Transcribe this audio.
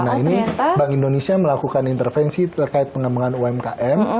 nah ini bank indonesia melakukan intervensi terkait pengembangan umkm